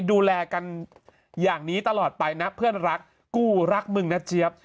ดูแลกันอย่างนี้ตลอดไปนะเพื่อนรักกูรักมึงนะเจี๊ยบ